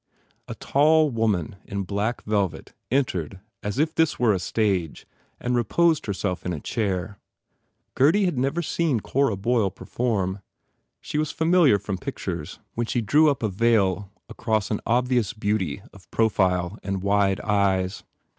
A tall woman in black velvet entered as if this were a stage and reposed herself in a chair. Gurdy had never seen Cora Boyle perform. She was familiar from pictures when she drew up a 122 MARGOT veil across an obvious beauty of profile and wide eyes.